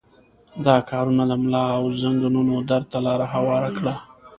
دا کارونه د ملا او زنګنونو درد ته لاره هواره کړه.